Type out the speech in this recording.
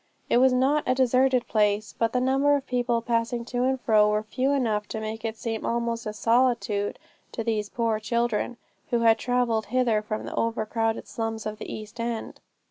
It was not a deserted place, but the number of people passing to and fro were few enough to make it seem almost a solitude to these poor children, who had travelled hither from the over crowded slums of the East End.